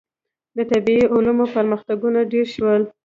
• د طبیعي علومو پرمختګونه ډېر شول.